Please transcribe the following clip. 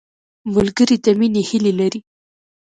ملګری د مینې هیلې لري